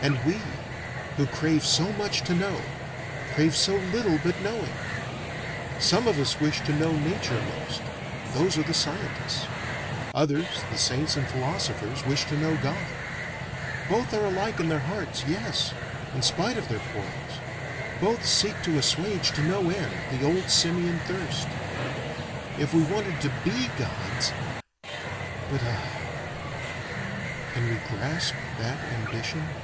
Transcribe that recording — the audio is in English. And we, who crave so much to know, crave so little but knowing. Some of us wish to know Nature most; those are the scientists. Others, the saints and philosophers, wish to know God. Both are alike in their hearts, yes, in spite of their quarrels. Both seek to assuage to no end, the old simian thirst. If we wanted to be Gods but ah, can we grasp that ambition?